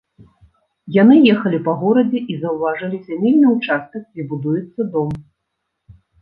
Яны ехалі па горадзе і заўважылі зямельны ўчастак, дзе будуецца дом.